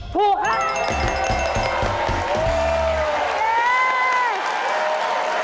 ผู้ครับ